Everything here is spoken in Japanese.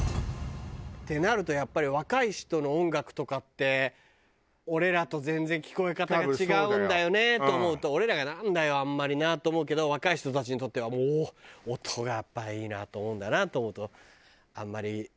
ってなるとやっぱり若い人の音楽とかって俺らと全然聞こえ方が違うんだよねと思うと俺らが「なんだよ？あんまりな」と思うけど若い人たちにとっては「おおー！音がやっぱりいいな」と思うんだよなと思うと。